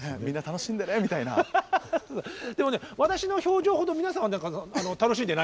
でもね私の表情ほど皆さんは楽しんでないんですよ。